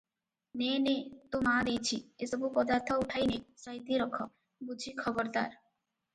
ନେ ନେ, ତୋ ମା ଦେଇଛି, ଏ ସବୁ ପଦାର୍ଥ ଉଠାଇ ନେ, ସାଇତି ରଖ, ବୁଝି ଖବରଦାର!